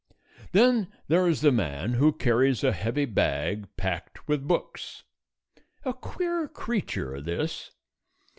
Then there is the man who carries a heavy bag packed with books. A queer creature, this.